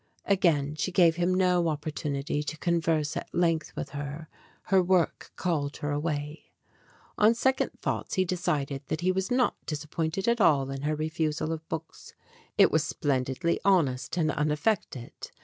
Again she gave him no opportunity to converse at length with her; her work called her away. On sec ond thoughts he decided that he was not disappointed at all in her refusal of books. It was splendidly hon est and unaffected.